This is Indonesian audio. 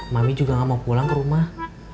mami juga gak mau pulang ke rumah